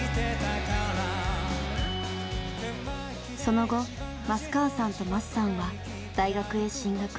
その後増川さんと升さんは大学へ進学。